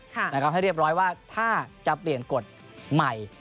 ให้เรียบร้อยว่าถ้าจะเปลี่ยนกฎใหม่